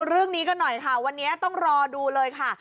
เรื่องนี้กันหน่อยค่ะวันนี้ต้องรอดูเลยค่ะ